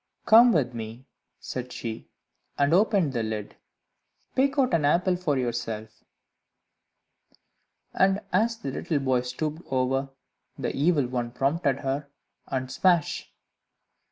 "Come with me," said she, and opened the lid; "pick out an apple for yourself." And as the little boy stooped over, the Evil One prompted her, and smash!